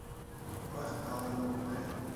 c'hwec'h kador velen.